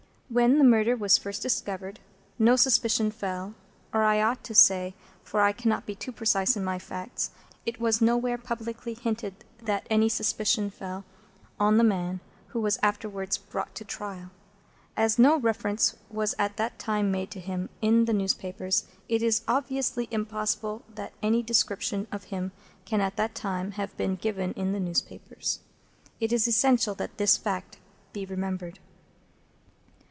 When the murder was first discovered, no suspicion fell—or I ought rather to say, for I cannot be too precise in my facts, it was nowhere publicly hinted that any suspicion fell—on the man who was afterwards brought to trial. As no reference was at that time made to him in the newspapers, it is obviously impossible that any description of him can at that time have been given in the newspapers. It is essential that this fact be remembered.